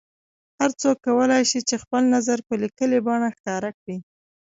هر کس کولای شي چې خپل نظر په لیکلي بڼه ښکاره کړي.